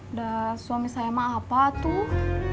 udah suami saya mah apa tuh